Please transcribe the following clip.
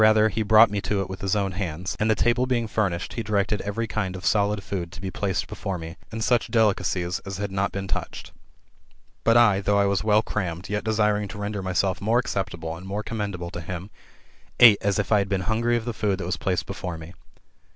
l8o THB METAMORPHOSIS, OR he brought me to it with his own hands ; and the table being furnished, he directed every kind of solid food to be placed be fore me, and such delicacies as had not been touched. But I, though I was well crammed, yet desiring to render myself more acceptable, and more commendable to him, ate as if I had been hungry of the food that was placed before me.